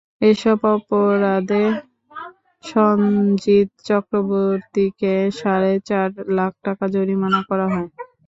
এসব অপরাধে সনজিৎ চক্রবর্তীকে সাড়ে চার লাখ টাকা জরিমানা করা হয়।